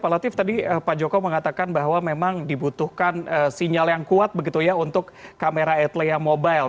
pak latif tadi pak joko mengatakan bahwa memang dibutuhkan sinyal yang kuat begitu ya untuk kamera atle yang mobile